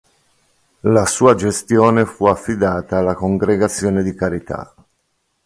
La sua gestione fu affidata alla Congregazione di Carità.